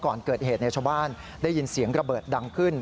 ก่อนเกิดเหตุในชาวบ้านได้ยินเสียงระเบิดดังขึ้น